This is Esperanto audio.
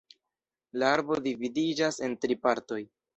La arbo dividiĝas en tri partoj.